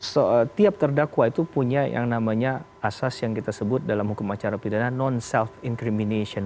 setiap terdakwa itu punya yang namanya asas yang kita sebut dalam hukum acara pidana non self incrimination